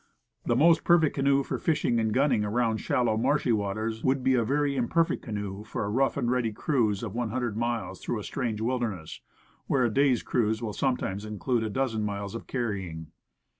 And the most perfect canoe for fishing and gunning around shallow, marshy waters, would be a very imperfect canoe for a rough and ready cruise of one hundred miles through a strange wilderness, where a day's cruise will sometimes include a dozen miles of car rying.